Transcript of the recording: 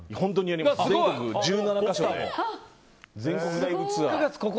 全国１７か所で全国ライブツアー。